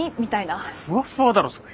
ふわっふわだろそれ。